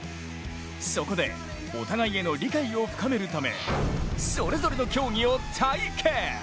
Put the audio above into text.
そこで、お互いへの理解を深めるためそれぞれの競技を体験！